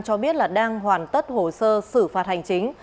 cho biết là đang hoàn tất hồ sơ xử phạt hành chính